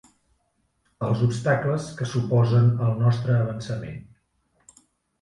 Els obstacles que s'oposen al nostre avançament.